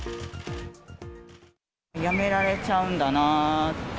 辞められちゃうんだなって。